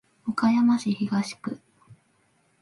岡山市東区